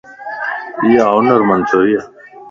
ايا ھنر مند ڇوري ائي.